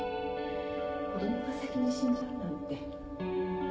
子供が先に死んじゃうなんて。